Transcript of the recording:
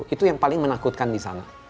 itu yang paling menakutkan di sana